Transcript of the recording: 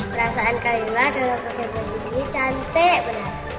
perasaan kagila kalau pakai baju ini cantik benar